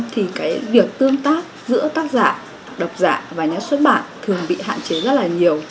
thì cái việc tương tác giữa tác giả đọc giả và nhà xuất bản thường bị hạn chế rất là nhiều